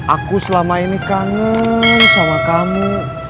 aku selama ini kangen sama kamu